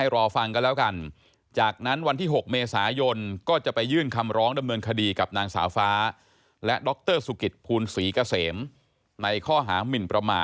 ดังนั้นเนี่ยผมไม่มีความผิดทั้งสิ้น